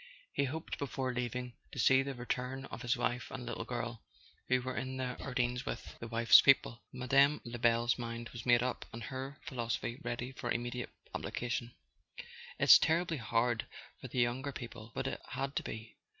He hoped, before leaving, to see the return of his wife and little girl, who were in the Ardennes with the wife's people. Mme. Lebel's mind was made up and her philosophy ready for immediate application. "It's terribly hard for the younger people; but it had to be.